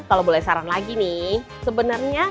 kalau boleh saran lagi nih sebenarnya